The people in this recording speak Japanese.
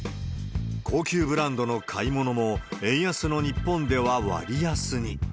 高級ブランドの買い物も、円安の日本では割安に。